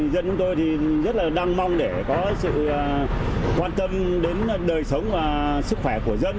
dân chúng tôi thì rất là đang mong để có sự quan tâm đến đời sống và sức khỏe của dân